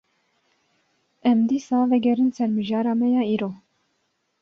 Em, dîsa vegerin ser mijara me ya îro